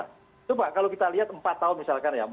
tunggu pak kalau kita lihat empat tahun misalkan ya